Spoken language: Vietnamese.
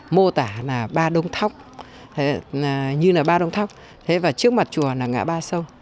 mô tả là ba đông thóc như là ba đông thóc thế và trước mặt chùa là ngã ba sâu